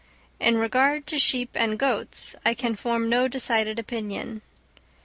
In regard to sheep and goats I can form no decided opinion.